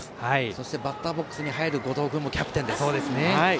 そしてバッターボックスに入る後藤君もキャプテンです。